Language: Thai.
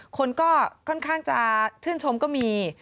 คนก็ค่อนข้างจะชื่นชมก็มี